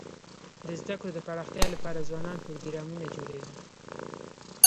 د زده کړو د پراختیا لپاره ځوانان پروګرامونه جوړوي.